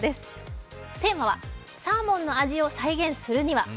テーマは、サーモンの味を再現するには。